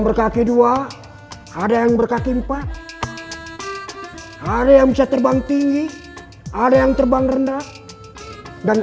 berkaki dua ada yang berkaki empat ada yang bisa terbang tinggi ada yang terbang rendah dan